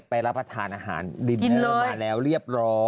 ไปรับประทานอาหารดินเลย